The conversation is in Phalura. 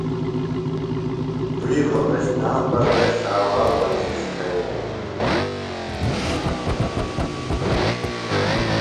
دُوئی روھوتشنام بہ تس ݜاوا ورزِش تھویلیۡ۔